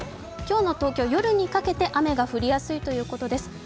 今日の東京、夜にかけて雨が降りやすいということです。